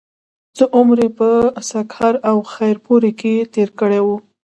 څۀ عمر پۀ سکهر او خېر پور کښې تير کړے وو